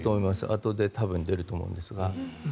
あとで多分出ると思うんですが。